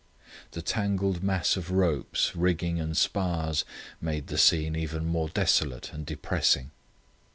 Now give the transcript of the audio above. The tangled mass of ropes, rigging, and spars made the scene even more desolate and depressing.